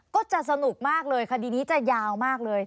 ก็จะสนุกมากเลยคดีนี้จะยาวมากเลย